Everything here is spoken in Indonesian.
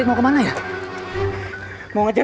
mau kemana ya